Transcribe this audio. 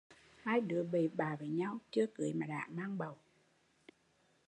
Hai đứa bậy bạ với nhau, chưa cưới mà đã mang bầu